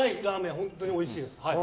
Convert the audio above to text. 本当においしいです。